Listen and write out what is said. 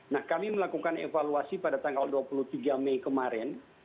nah kami melakukan evaluasi pada tanggal dua puluh tiga mei kemarin